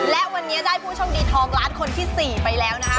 และวันนี้ได้ผู้โชคดีทองล้านคนที่๔ไปแล้วนะคะ